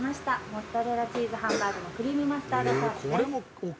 モッツァレラチーズハンバーグのクリームマスタードソースです。